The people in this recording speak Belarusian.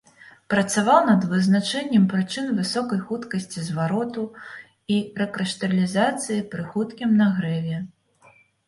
Працаваў над вызначэннем прычын высокай хуткасці звароту і рэкрышталізацыі пры хуткім нагрэве.